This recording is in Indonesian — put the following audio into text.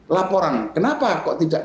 laporan kenapa kok tidak